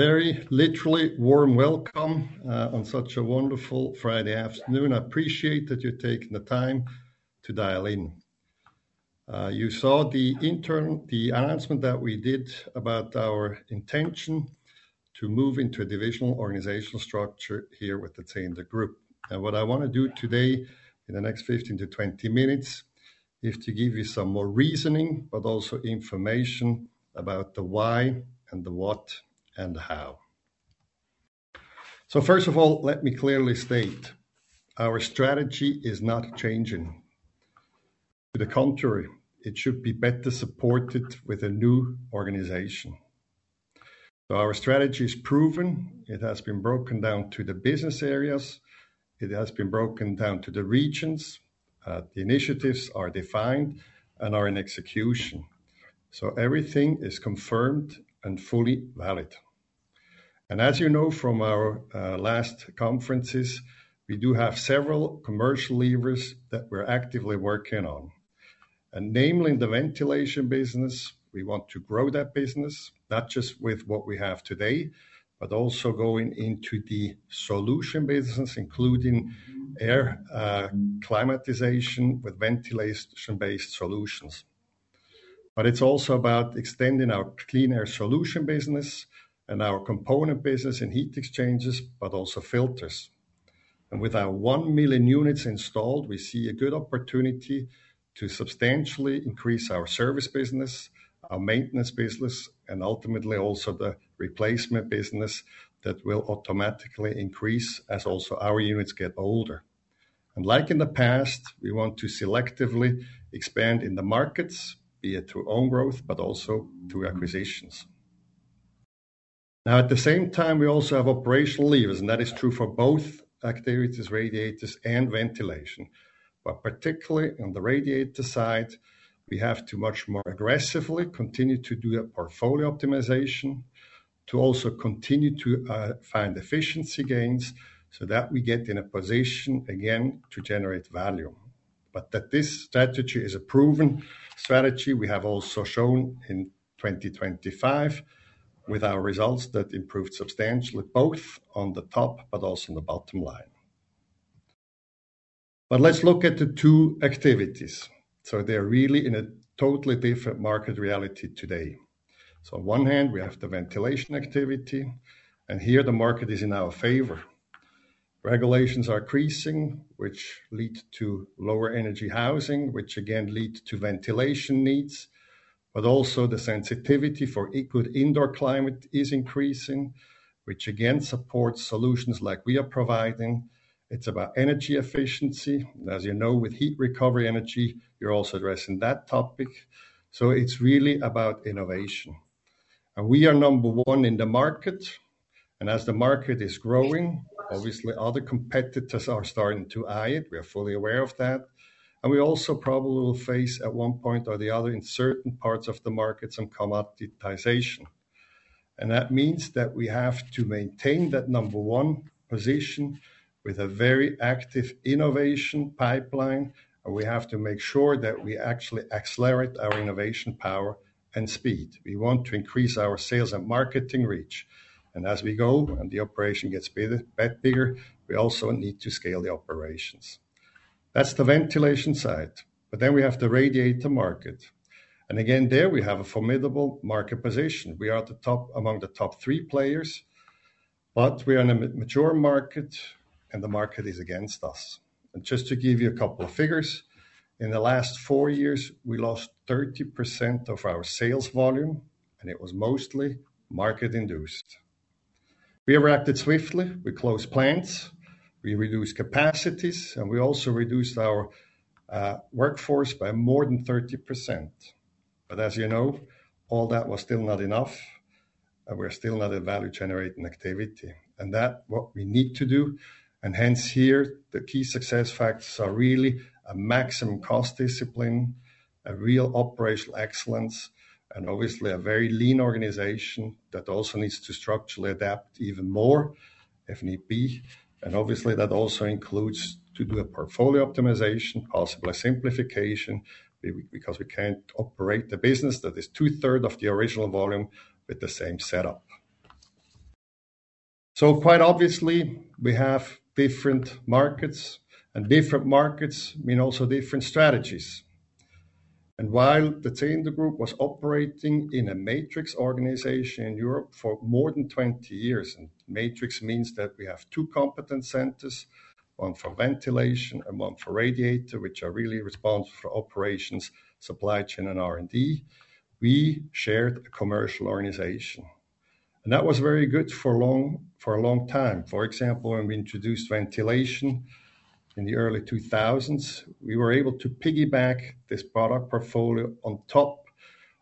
A very literally warm welcome on such a wonderful Friday afternoon. I appreciate that you're taking the time to dial in. You saw the announcement that we did about our intention to move into a divisional organizational structure here with the Zehnder Group. What I want to do today in the next 15-20 minutes is to give you some more reasoning, but also information about the why and the what and the how. First of all, let me clearly state our strategy is not changing. To the contrary, it should be better supported with a new organization. Our strategy is proven. It has been broken down to the business areas. It has been broken down to the regions. The initiatives are defined and are in execution. Everything is confirmed and fully valid. As you know from our last conferences, we do have several commercial levers that we're actively working on. Namely in the ventilation business, we want to grow that business, not just with what we have today, but also going into the solution business, including air climatization with ventilation-based solutions. It's also about extending our clean air solution business and our component business and heat exchangers, but also filters. With our 1 million units installed, we see a good opportunity to substantially increase our service business, our maintenance business, and ultimately also the replacement business that will automatically increase as also our units get older. Like in the past, we want to selectively expand in the markets, be it through own growth, but also through acquisitions. At the same time, we also have operational levers, and that is true for both activities, radiators and ventilation. Particularly on the radiator side, we have to much more aggressively continue to do a portfolio optimization to also continue to find efficiency gains so that we get in a position again to generate value. That this strategy is a proven strategy, we have also shown in 2025 with our results that improved substantially, both on the top but also on the bottom line. Let's look at the two activities. They're really in a totally different market reality today. On one hand, we have the ventilation activity, and here the market is in our favor. Regulations are increasing, which lead to lower energy housing, which again lead to ventilation needs. Also the sensitivity for equal indoor climate is increasing, which again supports solutions like we are providing. It's about energy efficiency. As you know with heat recovery energy, you're also addressing that topic. It's really about innovation. We are number one in the market. As the market is growing, obviously other competitors are starting to eye it. We are fully aware of that. We also probably will face at one point or the other in certain parts of the market some commoditization. That means that we have to maintain that number one position with a very active innovation pipeline, and we have to make sure that we actually accelerate our innovation power and speed. We want to increase our sales and marketing reach. As we go and the operation gets bigger, we also need to scale the operations. That's the ventilation side. We have the radiator market. Again, there we have a formidable market position. We are among the top three players, we are in a mature market and the market is against us. Just to give you a couple of figures, in the last four years, we lost 30% of our sales volume, it was mostly market induced. We reacted swiftly. We closed plants, we reduced capacities, and we also reduced our workforce by more than 30%. As you know, all that was still not enough, we're still not a value-generating activity. That what we need to do, hence here, the key success factors are really a maximum cost discipline, a real operational excellence, and obviously a very lean organization that also needs to structurally adapt even more if need be. Obviously that also includes to do a portfolio optimization, possibly a simplification, because we can't operate a business that is two-third of the original volume with the same setup. Quite obviously we have different markets, different markets mean also different strategies. While the Zehnder Group was operating in a matrix organization in Europe for more than 20 years, matrix means that we have two competence centers, one for ventilation and one for radiator, which are really responsible for operations, supply chain, and R&D. We shared a commercial organization. That was very good for a long time. For example, when we introduced ventilation in the early 2000s, we were able to piggyback this product portfolio on top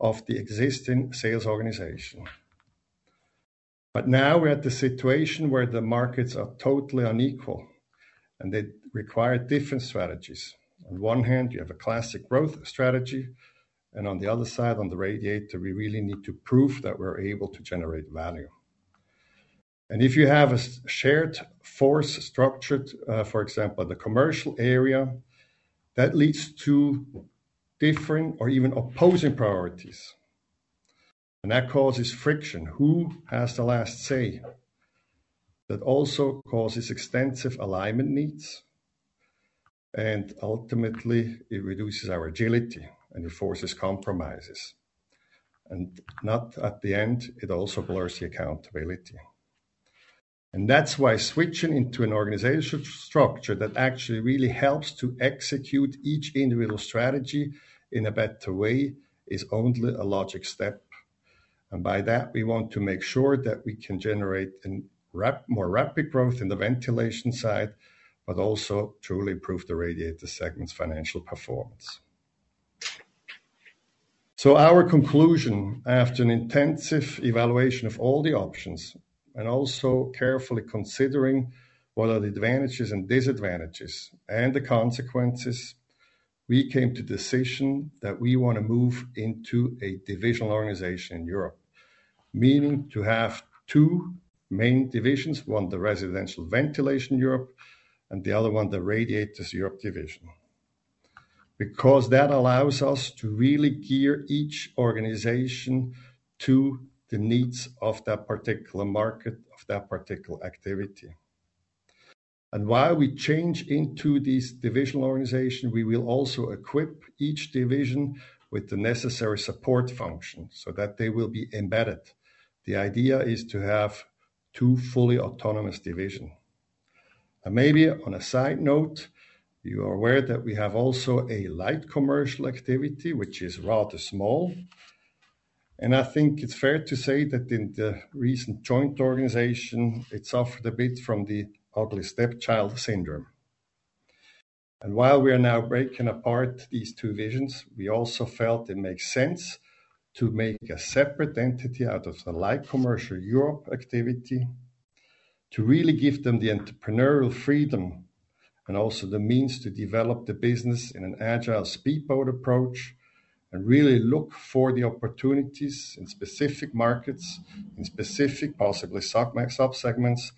of the existing sales organization. Now we're at the situation where the markets are totally unequal and they require different strategies. On one hand, you have a classic growth strategy, on the other side, on the radiator, we really need to prove that we're able to generate value. If you have a shared force structure, for example, in the commercial area, that leads to different or even opposing priorities. That causes friction. Who has the last say? That also causes extensive alignment needs, ultimately it reduces our agility and enforces compromises. Not at the end, it also blurs the accountability. That's why switching into an organizational structure that actually really helps to execute each individual strategy in a better way is only a logic step. By that, we want to make sure that we can generate more rapid growth in the ventilation side, but also truly improve the radiator segment's financial performance. Our conclusion, after an intensive evaluation of all the options, also carefully considering what are the advantages and disadvantages and the consequences, we came to decision that we want to move into a divisional organization in Europe, meaning to have two main divisions, one the Residential Ventilation Europe, and the other one the Radiators Europe division. That allows us to really gear each organization to the needs of that particular market, of that particular activity. While we change into this divisional organization, we will also equip each division with the necessary support functions so that they will be embedded. The idea is to have two fully autonomous division. Maybe on a side note, you are aware that we have also a light commercial activity, which is rather small. I think it's fair to say that in the recent joint organization, it suffered a bit from the ugly stepchild syndrome. While we are now breaking apart these two divisions, we also felt it makes sense to make a separate entity out of the Light Commercial Europe activity to really give them the entrepreneurial freedom and also the means to develop the business in an agile speedboat approach, and really look for the opportunities in specific markets, in specific, possibly sub-segments,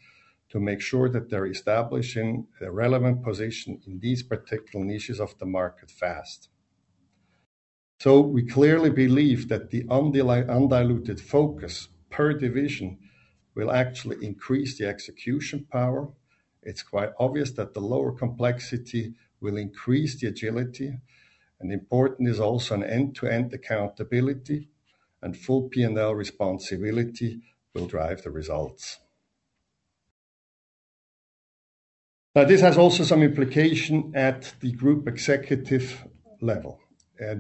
to make sure that they're establishing a relevant position in these particular niches of the market fast. We clearly believe that the undiluted focus per division will actually increase the execution power. It's quite obvious that the lower complexity will increase the agility. Important is also an end-to-end accountability and full P&L responsibility will drive the results. This has also some implication at the group executive level.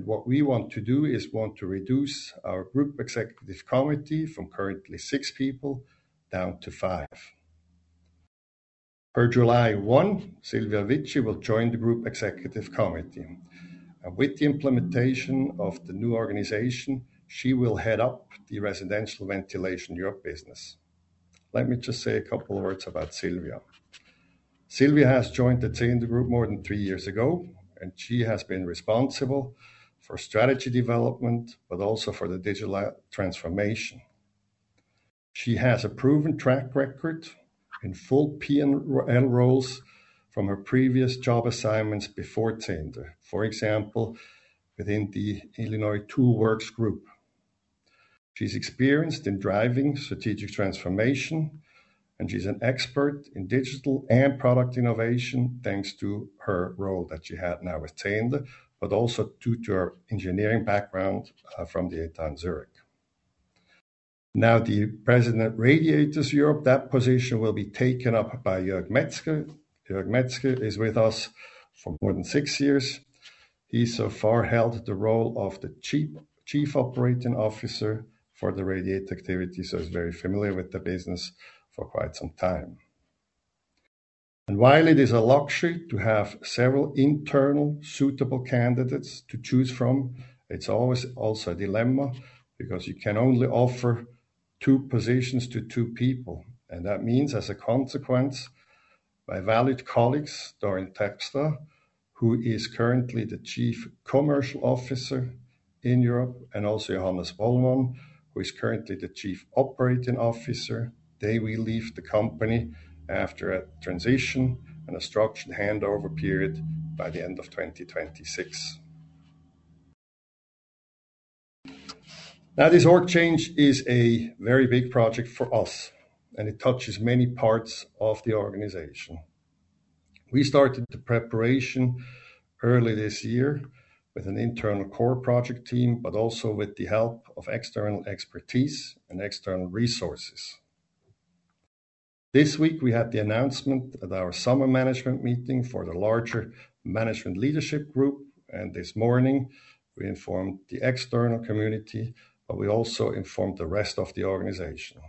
What we want to do is want to reduce our group executive committee from currently six people down to five. Per July 1, Silvia Witschi will join the group executive committee. With the implementation of the new organization, she will head up the Residential Ventilation Europe business. Let me just say a couple words about Silvia. Silvia has joined the Zehnder Group more than three years ago, and she has been responsible for strategy development, but also for the digital transformation. She has a proven track record in full P&L roles from her previous job assignments before Zehnder, for example, within the Illinois Tool Works group. She's experienced in driving strategic transformation, and she's an expert in digital and product innovation, thanks to her role that she had now with Zehnder, but also due to her engineering background from the ETH Zurich. The President Radiators Europe, that position will be taken up by Jörg Metzger. Jörg Metzger is with us for more than six years. He so far held the role of the Chief Operating Officer for the radiator activity, so he's very familiar with the business for quite some time. While it is a luxury to have several internal suitable candidates to choose from, it's always also a dilemma because you can only offer two positions to two people. That means, as a consequence, my valued colleagues, Dorien Terpstra, who is currently the Chief Commercial Officer in Europe, and also Johannes Bollmann, who is currently the Chief Operating Officer, they will leave the company after a transition and a structured handover period by the end of 2026. This org change is a very big project for us, and it touches many parts of the organization. We started the preparation early this year with an internal core project team, but also with the help of external expertise and external resources. This week, we had the announcement at our summer management meeting for the larger management leadership group, and this morning we informed the external community, but we also informed the rest of the organization.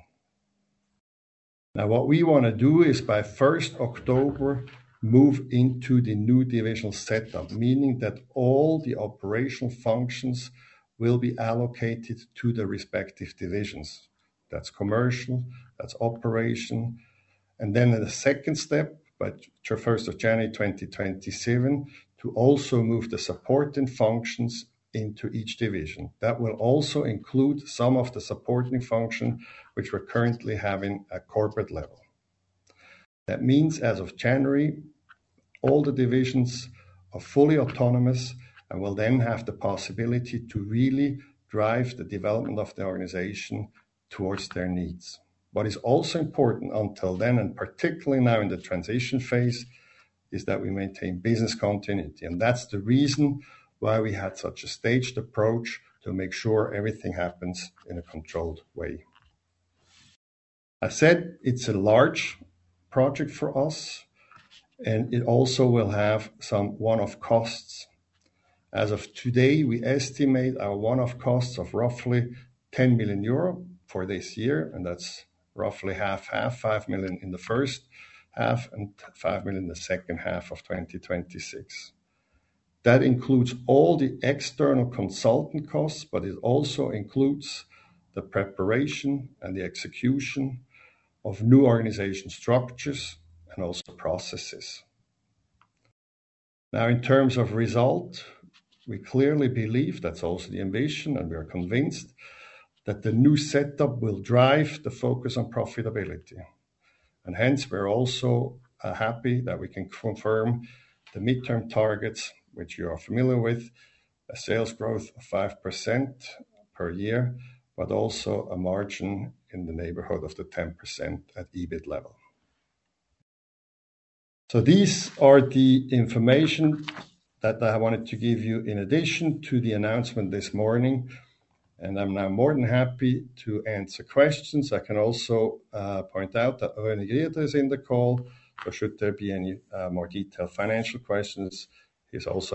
By 1st October, move into the new divisional setup, meaning that all the operational functions will be allocated to the respective divisions. That's commercial, that's operations. In the second step, by 1st of January 2027, to also move the supporting functions into each division. That will also include some of the supporting function which we're currently having at corporate level. As of January, all the divisions are fully autonomous and will then have the possibility to really drive the development of the organization towards their needs. What is also important until then, and particularly now in the transition phase, is that we maintain business continuity, and that's the reason why we had such a staged approach to make sure everything happens in a controlled way. I said it's a large project for us, and it also will have some one-off costs. As of today, we estimate our one-off costs of roughly 10 million euro for this year, and that's roughly half, 5 million in the first half and 5 million in the second half of 2026. That includes all the external consultant costs, but it also includes the preparation and the execution of new organization structures and also processes. In terms of result, we clearly believe that's also the ambition, and we are convinced that the new setup will drive the focus on profitability. We're also happy that we can confirm the midterm targets which you are familiar with. A sales growth of 5% per year, but also a margin in the neighborhood of the 10% at EBIT level. These are the information that I wanted to give you in addition to the announcement this morning, and I'm now more than happy to answer questions. I can also point out that René Grieder is in the call, should there be any more detailed financial questions, he's also